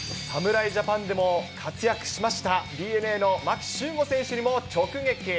侍ジャパンでも活躍しました、ＤｅＮＡの牧秀悟選手にも直撃。